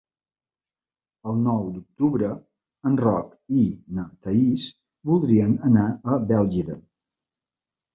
El nou d'octubre en Roc i na Thaís voldrien anar a Bèlgida.